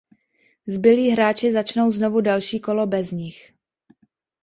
Zbylí hráči začnou znovu další kolo bez nich.